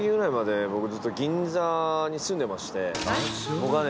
僕はね